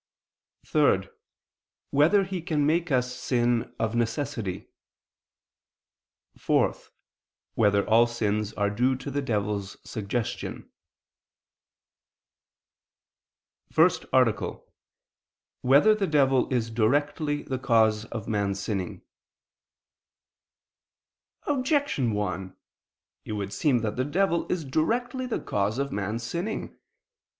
(3) Whether he can make us sin of necessity? (4) Whether all sins are due to the devil's suggestion? ________________________ FIRST ARTICLE [I II, Q. 80, Art. 1] Whether the Devil Is Directly the Cause of Man's Sinning? Objection 1: It would seem that the devil is directly the cause of man's sinning.